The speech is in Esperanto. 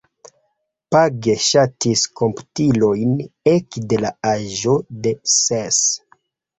Page ŝatis komputilojn ekde la aĝo de ses.